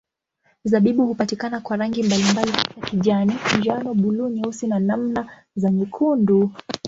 Zabibu hupatikana kwa rangi mbalimbali hasa kijani, njano, buluu, nyeusi na namna za nyekundu.